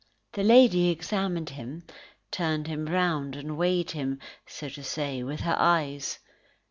The lady examined him, turned him round and weighed him, so to say, with her eyes.